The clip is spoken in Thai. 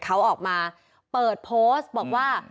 เขาออกมาเปิดโพสต์บอกว่า